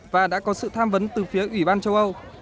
và đã có sự tham vấn từ phía ủy ban châu âu